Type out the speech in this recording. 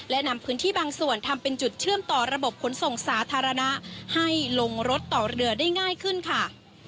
และนำพื้นที่บางส่วนทำเป็นจุดเชื่อมต่อระบบขนส่งสาธารณะให้ลงรถต่อเรือได้ง่ายขึ้นค่ะ